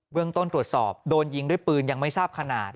เรื่องต้นตรวจสอบโดนยิงด้วยปืนยังไม่ทราบขนาด